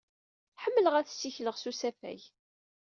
Ḥemmleɣ ad ssikleɣ s usafag.